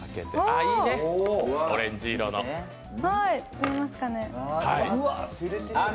見えますかね？